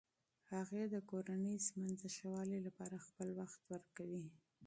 هغې د کورني ژوند د ښه والي لپاره خپل وخت ورکوي.